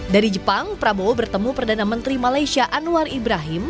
dari jepang prabowo bertemu perdana menteri malaysia anwar ibrahim